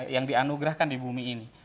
yang dianugerahkan di bumi ini